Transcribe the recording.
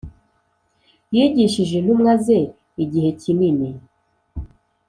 yigishije intumwa ze igihe kinini.